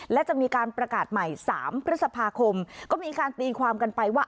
และจะมีการประกาศใหม่๓พฤษภาคมก็มีการตีความกันไปว่า